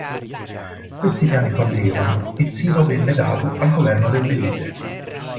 Questi piani fallirono e il sito venne dato al governo del Belize.